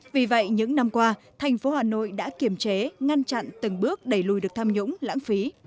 vì vậy những năm qua thành phố hà nội đã kiểm chế ngăn chặn từng bước đẩy lùi được tham nhũng lãng phí